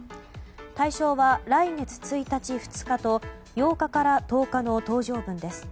対象は、来月１日２日と８日から１０日の搭乗分です。